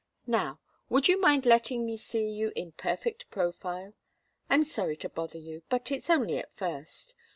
Now, would you mind letting me see you in perfect profile? I'm sorry to bother you, but it's only at first.